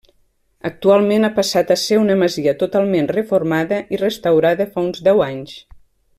Actualment a passat a ser una masia totalment reformada i restaurada fa uns deu anys.